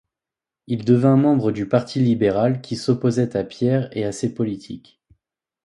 Il devint membre du parti libéral qui s'opposait à Pierre et à ses politiques.